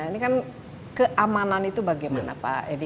ini kan keamanan itu bagaimana pak edi